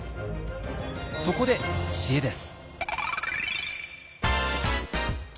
そこで知恵です。